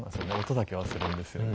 音だけはするんですよね。